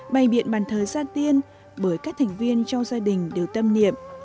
bày biện bàn thờ gia tiên bởi các thành viên cho gia đình đều tâm niệm